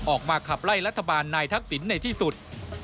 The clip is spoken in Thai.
ออกมาขับไล่รัฐบาลนายทักษิณในที่สุด